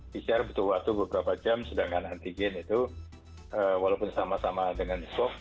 pcr butuh waktu beberapa jam sedangkan antigen itu walaupun sama sama dengan swab